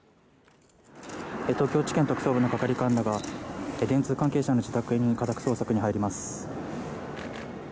東京地検特捜部の係官らが電通関係者の自宅に家宅捜索に入ります。